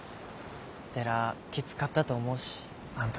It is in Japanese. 寺きつかったと思うしあん時。